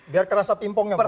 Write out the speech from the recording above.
biar kerasa timpongnya pak